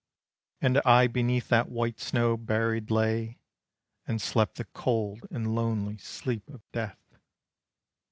And I beneath that white snow buried lay, And slept the cold and lonely sleep of death.